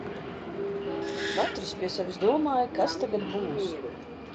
Katrs pie sevis domāja kas tagad būs?